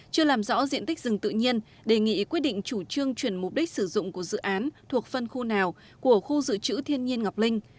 chưa làm rõ diện tích rừng tự nhiên đề nghị quyết định chủ trương chuyển mục đích sử dụng của dự án thuộc phân khu nào của khu dự trữ thiên nhiên ngọc linh